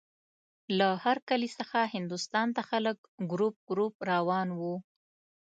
له هر کلي څخه هندوستان ته خلک ګروپ ګروپ روان وو.